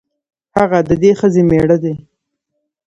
هغه د دې ښځې مېړه دی.